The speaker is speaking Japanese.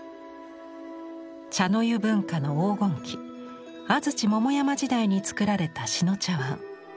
茶の湯文化の黄金期安土桃山時代に作られた志野茶碗。